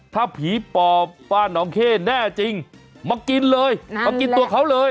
ถ้าผีปอบป้าน้องเข้แน่จริงมากินเลยมากินตัวเขาเลย